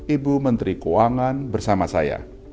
ibu menteri keuangan bersama saya